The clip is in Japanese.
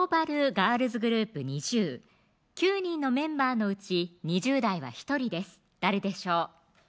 ガールズグループＮｉｚｉＵ９人のメンバーのうち２０代は１人です誰でしょう